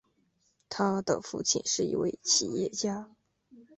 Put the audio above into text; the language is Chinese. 他的父亲是一位企业家。